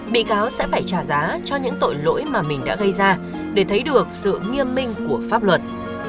bị cáo sẽ phải trả giá cho những tội lỗi mà mình đã gây ra để thấy được sự nghiêm minh của pháp luật